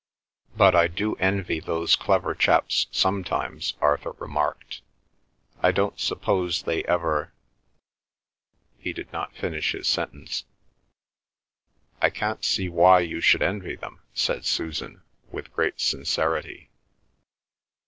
"But I do envy those clever chaps sometimes," Arthur remarked. "I don't suppose they ever ..." He did not finish his sentence. "I can't see why you should envy them," said Susan, with great sincerity.